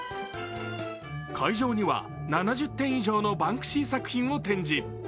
会場には、７０点以上のバンクシー作品を展示。